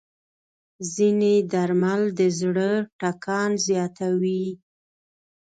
ځینې درمل د زړه ټکان زیاتوي.